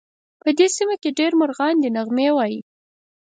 په دې سیمه کې ډېر مرغان دي نغمې وایې